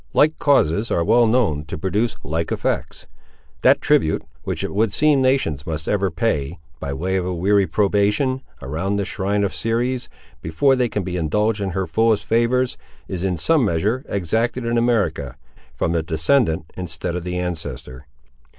Like causes are well known to produce like effects. That tribute, which it would seem nations must ever pay, by way of a weary probation, around the shrine of Ceres, before they can be indulged in her fullest favours, is in some measure exacted in America, from the descendant instead of the ancestor.